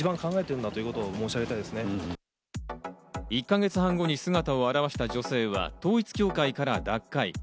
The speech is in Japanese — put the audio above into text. １か月半後に姿を現した女性は統一教会から脱会。